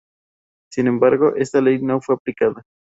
Sin embargo, esta ley no fue aplicada.